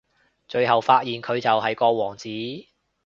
最後發現佢就係個王子